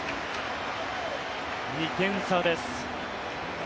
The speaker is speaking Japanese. ２点差です。